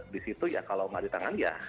di situ ya kalau nggak di tangan ya